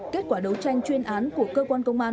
kết quả đấu tranh chuyên án của cơ quan công an